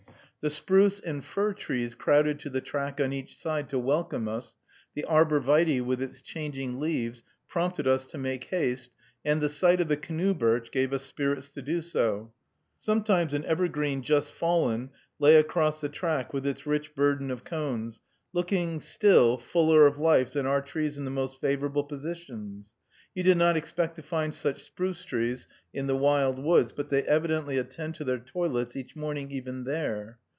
The spruce and fir trees crowded to the track on each side to welcome us, the arbor vitæ, with its changing leaves, prompted us to make haste, and the sight of the canoe birch gave us spirits to do so. Sometimes an evergreen just fallen lay across the track with its rich burden of cones, looking, still, fuller of life than our trees in the most favorable positions. You did not expect to find such spruce trees in the wild woods, but they evidently attend to their toilets each morning even there.